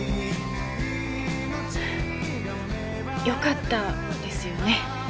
よかったですよね